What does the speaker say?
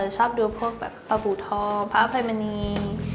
ชอบดูพวกแบบปลาบูทองพระอภัยมณี